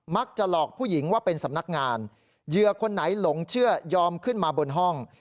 หลอกผู้หญิงว่าเป็นสำนักงานเหยื่อคนไหนหลงเชื่อยอมขึ้นมาบนห้อง